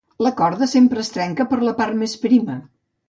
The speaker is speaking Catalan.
La corda sempre es trenca per la part més prima.